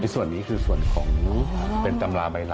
ส่วนนี้คือส่วนของเป็นตำราใบละ